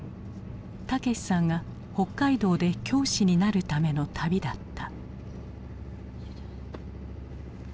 武さんが北海道で教師になるための旅だった。